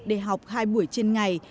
để học hai buổi trên ngày